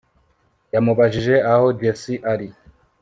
yamubajije aho jessie ari